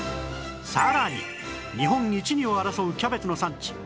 さらに日本一二を争うキャベツの産地